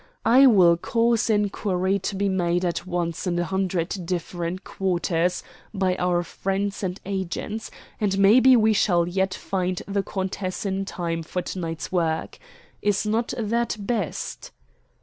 I will cause inquiry to be made at once in a hundred different quarters by our friends and agents, and maybe we shall yet find the countess in time for to night's work. Is not that best?"